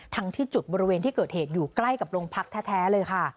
ที่จุดบริเวณที่เกิดเหตุอยู่ใกล้กับโรงพักแท้เลยค่ะ